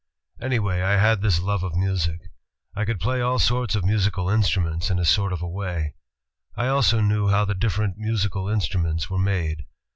Anyway, I had this love of music. I could play all sorts of musical instruments in a sort of a way. ... I also knew how the different musical instruments were made.